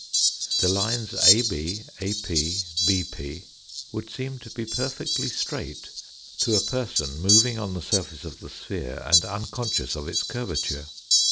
The lines AB, AP, BP would seem to be perfectly straight to a person moving on the surface of the sphere, and unconscious of its curvature.